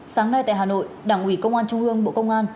sáng nay tại hà nội đảng ủy công an trung ương bộ công an